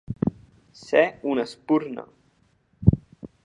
Ser una espurna.